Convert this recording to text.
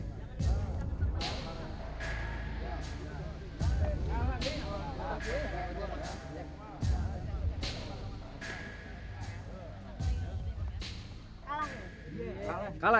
perlu modal ya